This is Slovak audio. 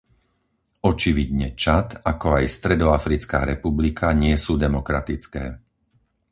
Očividne Čad ako aj Stredoafrická republika nie sú demokratické.